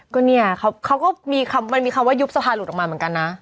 ก็เนี่ยเขาก็มันมีคำว่ายุบสภาหลุดออกมาเหมือนกันนะ